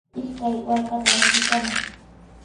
Ishkay waakata rantikamay.